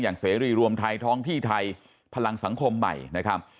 เสรีรวมไทยท้องที่ไทยพลังสังคมใหม่นะครับ